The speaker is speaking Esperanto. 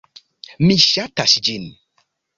Mi ŝatas ĝin